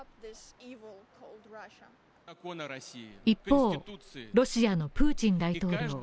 一方、ロシアのプーチン大統領。